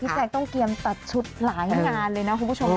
แจ๊กต้องเตรียมตัดชุดหลายงานเลยนะคุณผู้ชม